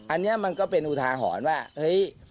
อันนี้มันก็เป็นอุทาหรณ์ว่าเฮ้ย